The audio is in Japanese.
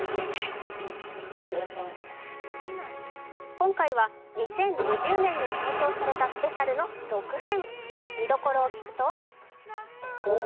今回は２０２０年に放送されたスペシャルの続編。